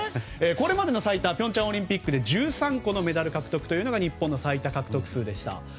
これまでの最多は平昌オリンピックで１３個のメダル獲得というのが日本の最多獲得数でした。